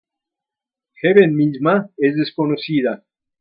Heaven misma es desconocida.